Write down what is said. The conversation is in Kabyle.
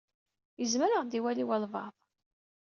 Izmer ad ɣ-d-iwali walebɛaḍ.